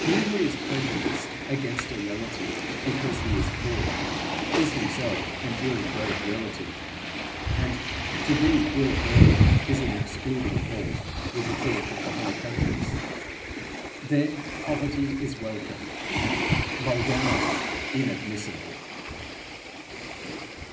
He who is prejudiced against a relative because he is poor, is himself an ill bred relative, and to be ill bred is an excluding fault with the court of the high countries. There, poverty is welcome, vulgarity inadmissible.